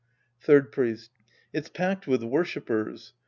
Third Priest. It's packed with worshipers.